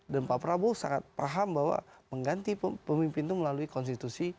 dan pak prabowo sangat paham bahwa mengganti pemimpin itu melalui konstitusi